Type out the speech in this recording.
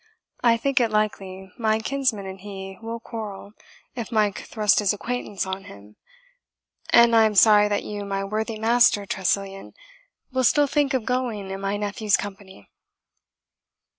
I think it likely my kinsman and he will quarrel, if Mike thrust his acquaintance on him; and I am sorry that you, my worthy Master Tressilian, will still think of going in my nephew's company."